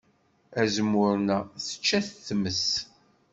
Azemmur-nneɣ tečča-t tmes.